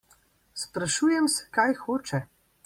Sprašujem se, kaj hoče?